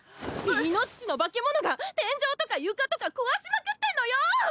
イノシシの化け物が天井とか床とか壊しまくってんのよ！